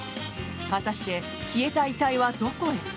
果たして消えた遺体はどこへ？